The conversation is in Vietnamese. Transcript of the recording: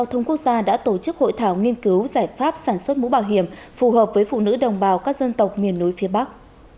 hội thảo nghiên cứu giải pháp sản xuất mũ bảo hiểm phù hợp với phụ nữ đồng bào các dân tộc miền núi phía bắc